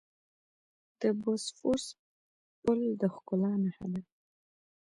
د بوسفورس پل د ښکلا نښه ده.